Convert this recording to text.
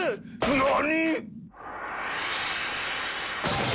何！？